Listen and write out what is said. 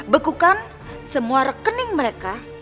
bekukan semua rekening mereka